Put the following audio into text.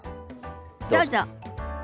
どうぞ。